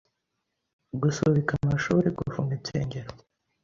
gusubika amashuri, gufunga insengero,